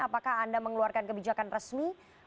apakah anda mengeluarkan kebijakan resmi